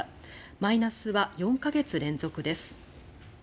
マイナスは４か月連続です。